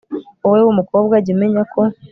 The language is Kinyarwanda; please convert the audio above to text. wowe w'umukobwa, jya umenya ko